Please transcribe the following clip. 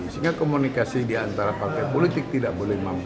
sehingga komunikasi di antara partai politik tidak boleh mampu